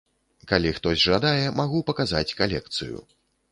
Калі хтось жадае, магу паказаць калекцыю.